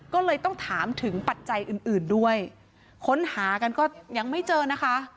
ก็เลยต้องถามถึงปัจจัยอื่นอื่นด้วยค้นหากันก็ยังไม่เจอนะคะ